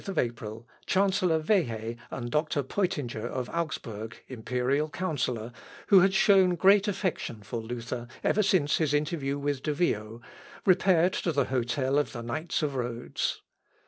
On Thursday morning (25th April) Chancellor Wehe and doctor Peutinger of Augsburg, imperial counsellor, who had shown great affection for Luther ever since his interview with de Vio, repaired to the hotel of the Knights of Rhodes.